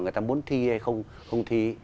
người ta muốn thi hay không thi